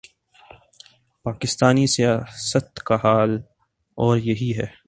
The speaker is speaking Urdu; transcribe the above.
پاکستانی سیاست کا حال اور یہی ہے۔